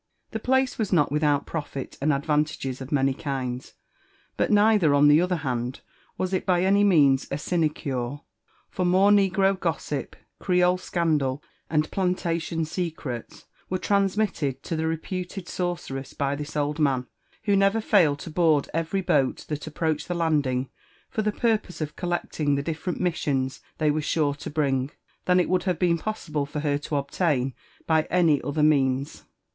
The place was not without profit and advantages of many kinds; but neidier, on the other hand, was it by any means a sinecure, — for more negro gossip^ Creole scandal, and plantation secrets were trans mitted to the reputed sorceress by this old man, who never failed to board every boat that approached the landing for the purpose of col lecting the different missions they were sure to bring, than it would have been possible for her to obtain by any other means.